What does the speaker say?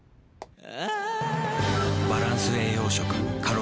え？